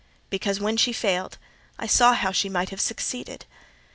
Because, when she failed, I saw how she might have succeeded.